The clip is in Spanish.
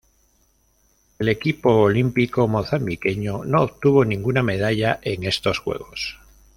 El equipo olímpico mozambiqueño no obtuvo ninguna medalla en estos Juegos.